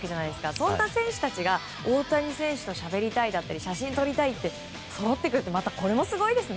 そんな選手たちが大谷選手としゃべりたいとか写真撮りたいってそろって来るってすごいですね。